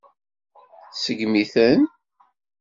Tseggem-iten.